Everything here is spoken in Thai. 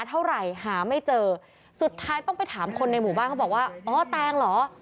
เอาเตงเหรอ